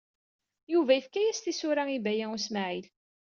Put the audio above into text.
Yuba yefka-as tisura i Baya U Smaɛil.